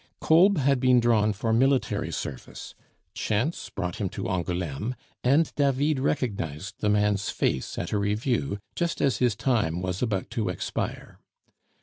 Kolb had been drawn for military service, chance brought him to Angouleme, and David recognized the man's face at a review just as his time was about to expire.